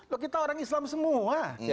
loh kita orang islam semua